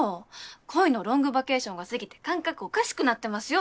恋のロングバケーションが過ぎて感覚おかしくなってますよ